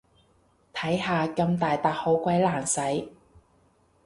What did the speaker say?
睇下，咁大撻好鬼難洗